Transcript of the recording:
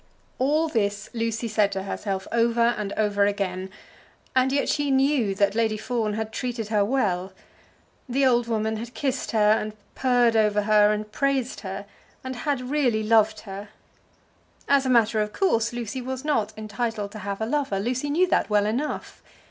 All this Lucy said to herself over and over again, and yet she knew that Lady Fawn had treated her well. The old woman had kissed her, and purred over her, and praised her, and had really loved her. As a matter of course, Lucy was not entitled to have a lover. Lucy knew that well enough.